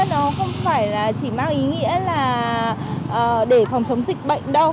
nó không phải chỉ mang ý nghĩa là để phòng chống dịch bệnh đâu